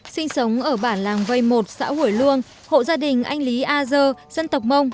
sinh sống ở bản làng vây một xã hủy luông hộ gia đình anh lý a dơ dân tộc mông